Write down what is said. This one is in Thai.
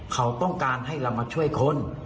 เขาต้องการให้เรามาช่วยคน